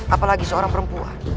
apalagi seorang perempuan